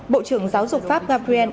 bộ trưởng giáo dục pháp gabriel